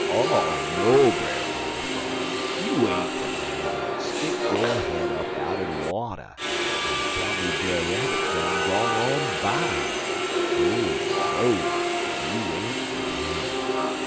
"'Oh, no, Brer Bull frog! You ain't de man w'at stick yo' head up out'n de water en tell me Brer Rabbit done gone on by. Oh, no! you ain't de man.